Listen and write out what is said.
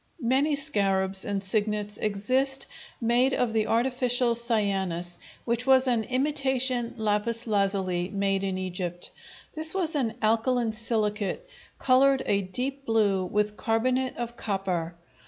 Many scarabs and signets exist made of the artificial cyanus, which was an imitation lapis lazuli made in Egypt. This was an alkaline silicate, colored a deep blue with carbonate of copper.